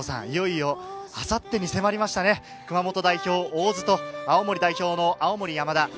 いよいよ明後日に迫りましたね、熊本代表・大津と青森代表の青森山田。